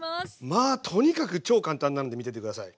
まあとにかく超簡単なので見てて下さい。